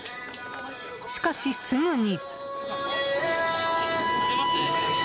しかし、すぐに。